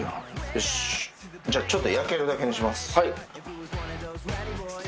よしじゃあちょっと焼けるだけにします。